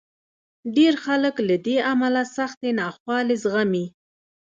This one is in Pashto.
ډېر خلک له دې امله سختې ناخوالې زغمي.